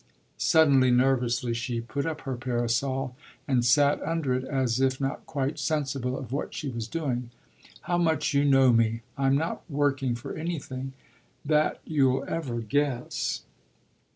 Suddenly, nervously, she put up her parasol and sat under it as if not quite sensible of what she was doing. "How much you know me! I'm not 'working' for anything that you'll ever guess."